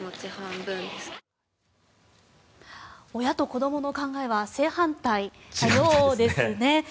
親と子どもの考えは正反対ですね。